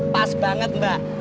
pas banget mbak